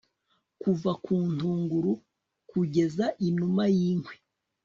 Kuva kuntunguru kugeza inuma yinkwi